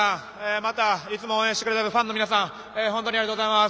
また、いつも応援してくれるファンの皆さん、本当にありがとうございます。